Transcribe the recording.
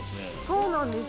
そうなんですよ。